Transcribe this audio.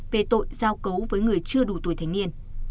về tội giao cấu với người chưa đủ tuổi thanh niên